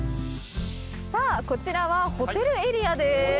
さあこちらはホテルエリアです。